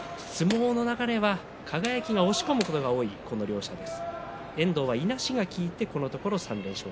相撲の流れは輝が押し込むことが多い両者です。